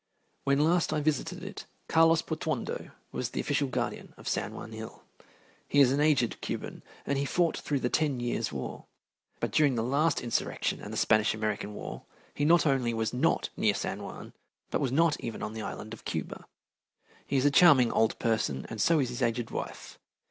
When last I visited it, Carlos Portuondo was the official guardian of San Juan Hill. He is an aged Cuban, and he fought through the Ten Years' War, but during the last insurrection and the Spanish American War he not only was not near San Juan, but was not even on the Island of Cuba. He is a charming old person, and so is his aged wife.